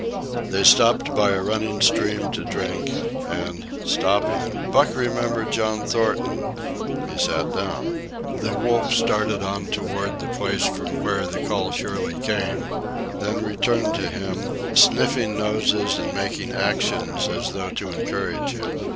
They stopped by a running stream to drink, and, stopping, Buck remembered John Thornton. He sat down. The wolf started on toward the place from where the call surely came, then returned to him, sniffing noses and making actions as though to encourage him.